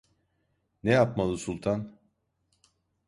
Ne yapmalı Sultan?